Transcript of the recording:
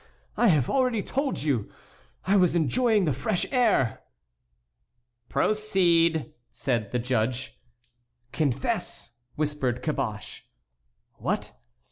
I have already told you. I was enjoying the fresh air." "Proceed," said the judge. "Confess," whispered Caboche. "What?"